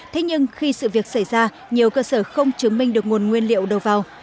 thế nhưng khi sự việc xảy ra nhiều cơ sở không chứng minh được nguồn nguyên liệu đầu vào